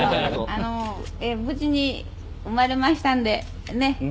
「無事に生まれましたんでね